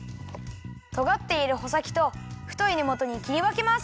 とがっているほさきとふといねもとにきりわけます。